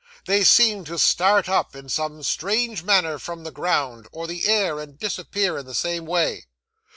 They seemed to start up, in some strange manner, from the ground, or the air, and disappear in the same way.